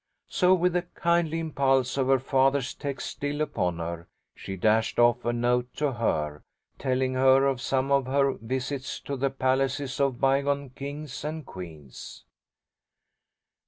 So with the kindly impulse of her father's text still upon her, she dashed off a note to her, telling her of some of her visits to the palaces of bygone kings and queens.